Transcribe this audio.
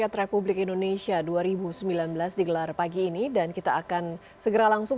terima kasih terima kasih